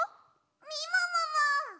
みももも！